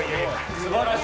素晴らしい。